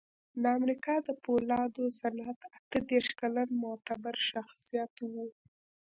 د امریکا د پولادو صنعت اته دېرش کلن معتبر شخصیت و